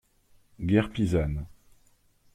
- Guerre pisane.